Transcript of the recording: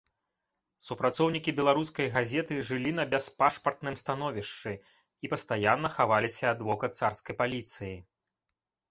Супрацоўнікі беларускай газеты жылі на бяспашпартным становішчы і пастаянна хаваліся ад вока царскай паліцыі.